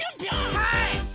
はい！